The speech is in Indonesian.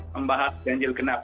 membahas ganjil genap